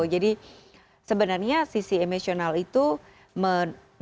jadi sebenarnya sisi emosional itu merujuk